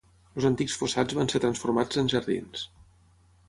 Els antics fossats van ser transformats en jardins.